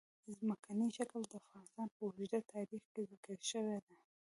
ځمکنی شکل د افغانستان په اوږده تاریخ کې ذکر شوې ده.